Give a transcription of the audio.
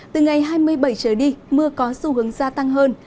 từ ngày hai mươi bảy trở đi mưa có xu hướng gia tăng hơn